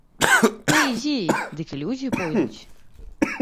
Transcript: Ты ідзі, дык і людзі пойдуць!